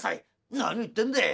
「何を言ってんでい。